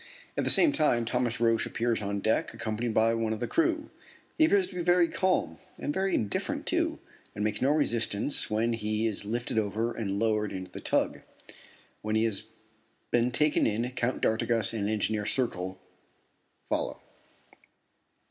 At the same time Thomas Roch appears on deck accompanied by one of the crew. He appears to be very calm, and very indifferent too, and makes no resistance when he is lifted over and lowered into the tug. When he has been taken in, Count d'Artigas and Engineer Serko follow.